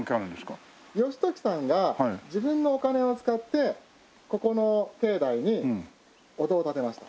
義時さんが自分のお金を使ってここの境内にお堂を建てました。